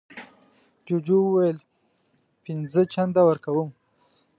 جوجو وویل پینځه چنده ورکوم.